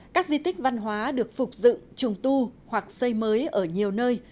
các di tích văn hóa được phục dựng trùng tu hoặc xây mới ở nhiều nơi